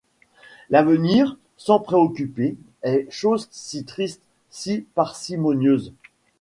L'avenir, s'en préoccuper est chose si triste, si parcimonieuse !